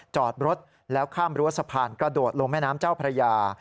จอดรถแล้วข้ามรั้วสะพานกระโดดลงแม่น้ำเจ้าพระยา